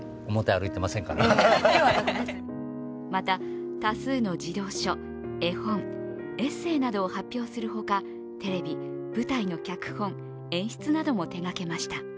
また、多数の児童書、絵本、エッセイなどを発表するほか、テレビ、舞台の脚本、演出なども手がけました。